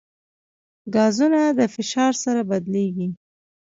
ګازونه د فشار سره بدلېږي.